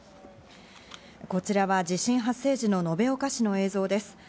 こちらは地震発生時の延岡市の映像です。